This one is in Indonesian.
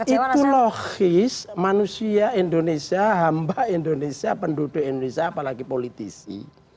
itu logis manusia indonesia hamba indonesia penduduk indonesia apalagi politisi